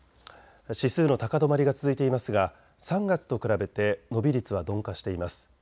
指数の高止まりが続いていますが３月と比べて伸び率は鈍化しています。